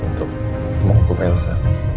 untuk menghutuk elsa